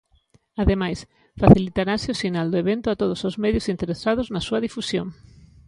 Ademais, facilitarase o sinal do evento a todos os medios interesados na súa difusión.